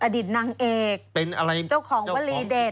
อดิตนางเอกเจ้าของวลีเด็ด